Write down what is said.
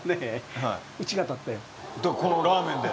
このラーメンで？